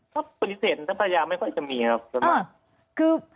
คือภฤษฐรรณะพ่ายาไม่ค่อยจะมีครับ